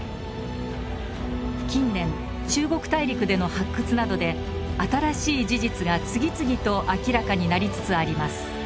近年中国大陸での発掘などで新しい事実が次々と明らかになりつつあります。